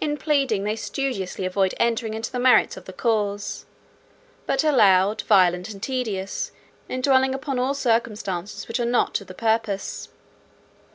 "In pleading, they studiously avoid entering into the merits of the cause; but are loud, violent, and tedious, in dwelling upon all circumstances which are not to the purpose.